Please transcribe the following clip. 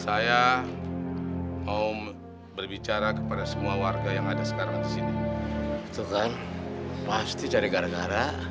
saya om berbicara kepada semua warga yang ada sekarang di sini itu kan pasti cari gara gara